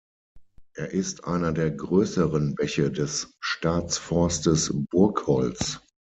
Er ist einer der größeren Bäche des Staatsforstes Burgholz.